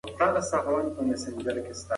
د اورېدونکي رعايت پکار دی.